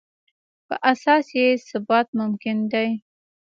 په اساس یې ثبات ممکن دی.